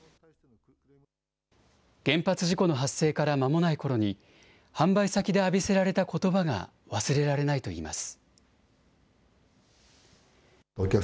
原発事故の発生からまもないころに、販売先で浴びせられたことばが忘れられないといいます。